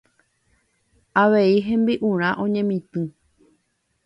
Avei hembi'urã oñemitỹ.